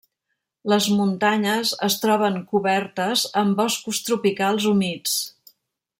Les muntanyes es troben cobertes amb boscos tropicals humits.